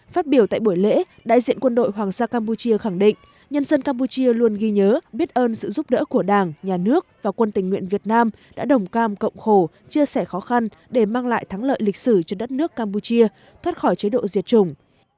phát biểu tại buổi lễ đại diện quân đội hoàng gia campuchia khẳng định nhân dân campuchia luôn ghi nhớ biết ơn sự giúp đỡ của đảng nhà nước và quân tình nguyện việt nam đã đồng cam cộng khổ chia sẻ khó khăn để mang lại thắng lợi lịch sử cho đất nước campuchia thoát khỏi chế độ diệt chủng